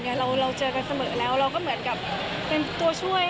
เราเจอกันเสมอแล้วเราก็เหมือนกับเป็นตัวช่วย